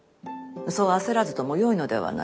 そう焦らずともよいのではないか？